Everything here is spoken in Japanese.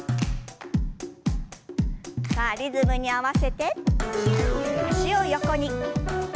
さあリズムに合わせて脚を横に。